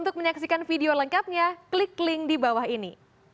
untuk menyaksikan video lengkapnya klik link di bawah ini